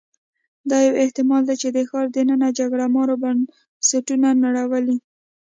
دا یو احتمال دی چې د ښار دننه جګړه مارو بنسټونه نړولي